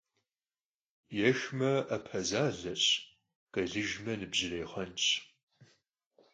Yêxme, 'epe zaleş, khêlıjjme, nıbjırêy xhuenş.